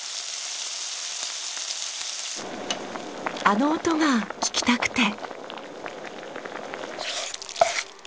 あの音が聞きたくて。